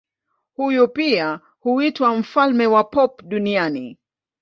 Huyu pia huitwa mfalme wa pop duniani.